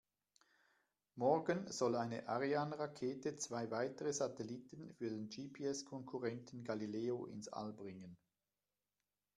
Morgen soll eine Ariane-Rakete zwei weitere Satelliten für den GPS-Konkurrenten Galileo ins All bringen.